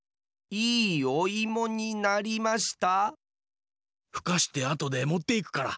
いいおいもになりました。